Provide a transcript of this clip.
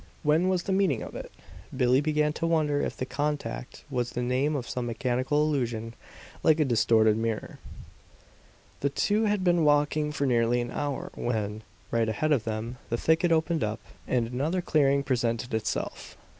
What was the meaning of it? Billie began to wonder if "the contact" was the name of some mechanical illusion, like a distorted mirror. The two had been walking for nearly an hour when, right ahead of them, the thicket opened up, and another clearing presented itself.